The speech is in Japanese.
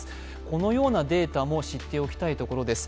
このようなデータも知っておきたいところです。